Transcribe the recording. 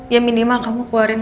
ya minimal kamu keluarin